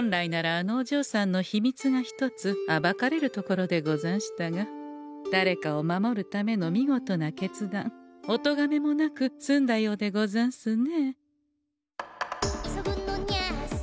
あのおじょうさんの秘密が１つ暴かれるところでござんしたが誰かを守るための見事な決断おとがめもなく済んだようでござんすね。